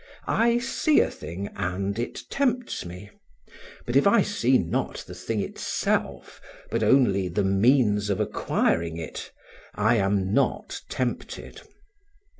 I see a thing and it tempts me; but if I see not the thing itself but only the means of acquiring it, I am not tempted.